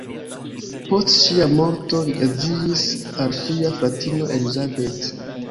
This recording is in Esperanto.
Post ŝia morto li edziĝis al ŝia fratino Elizabeth.